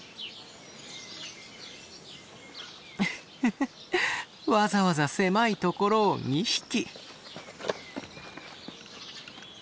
フフフわざわざ狭い所を２匹。